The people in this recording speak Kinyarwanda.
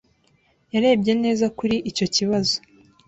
Yarebye neza kuri icyo kibazo.